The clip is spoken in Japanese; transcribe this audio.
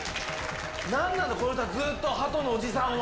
なんなの、この人、ずっとハトのおじさんは。